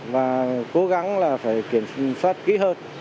và cố gắng là phải kiểm soát kỹ hơn